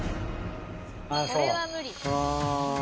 これは無理。